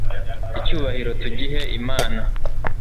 icyubahiro tugihe imana